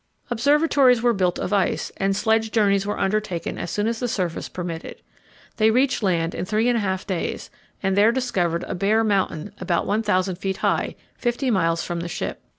Observatories were built of ice, and sledge journeys were undertaken as soon as the surface permitted. They reached land in three and a half days, and there discovered a bare mountain, about 1,000 feet high, fifty miles from the ship.